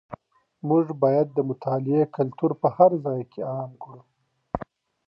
موږ بايد د مطالعې کلتور په هر ځای کي عام کړو.